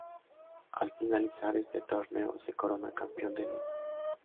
Al finalizar este torneo se corona campeón de la liga.